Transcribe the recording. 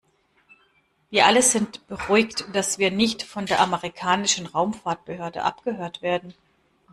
Wir alle sind beruhigt, dass wir nicht von der amerikanischen Raumfahrtbehörde abgehört werden.